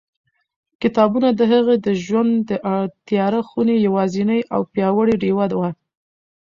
کتابونه د هغې د ژوند د تیاره خونې یوازینۍ او پیاوړې ډېوه وه.